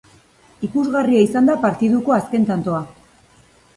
Ikusgarria izan da partiduko azken tantoa